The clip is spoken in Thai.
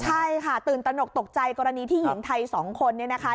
ใช่ค่ะตื่นตนกตกใจกรณีที่เหงงไทย๒คน